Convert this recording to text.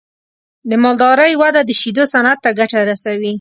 د مالدارۍ وده د شیدو صنعت ته ګټه رسوي.